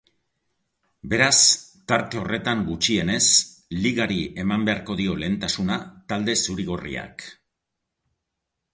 Beraz, tarte horretan gutxienez ligari eman beharko dio lehentasuna talde zuri-gorriak.